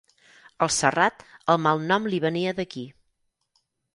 Al Serrat el malnom li venia d'aquí.